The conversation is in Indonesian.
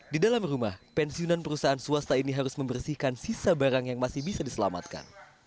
di dalam rumah pensiunan perusahaan swasta ini harus membersihkan sisa barang yang masih bisa diselamatkan